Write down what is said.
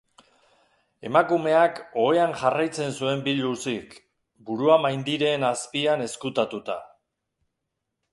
Emakumeak ohean jarraitzen zuen biluzik, burua maindireen azpian ezkutatuta.